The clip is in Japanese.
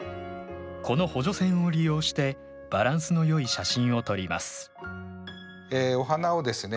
この補助線を利用してバランスの良い写真を撮りますお花をですね